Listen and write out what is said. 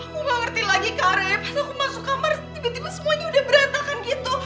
gue gak ngerti lagi karet aku masuk kamar tiba tiba semuanya udah berantakan gitu